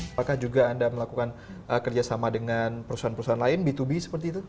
apakah juga anda melakukan kerjasama dengan perusahaan perusahaan lain b dua b seperti itu